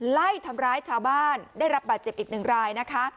ไล่ทำร้ายชาวบ้านได้รับบาดเจ็บอีกหนึ่งรายนะคะ